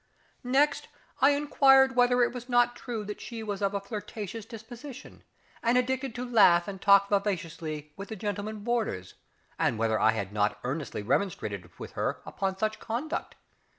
Next I inquired whether it was not true that she was of a flirtatious disposition, and addicted to laugh and talk vivaciously with the gentlemen boarders, and whether I had not earnestly remonstrated with her upon such conduct.